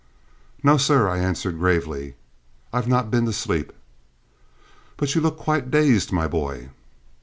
"No, sir," I answered gravely; "I've not been to sleep." "But you look quite dazed, my boy."